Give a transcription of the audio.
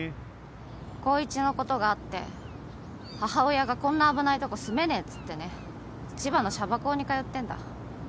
光一のことがあって母親がこんな危ないとこ住めねえっつってね千葉のシャバ校に通ってんだ。